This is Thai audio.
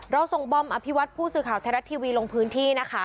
ส่งบอมอภิวัตผู้สื่อข่าวไทยรัฐทีวีลงพื้นที่นะคะ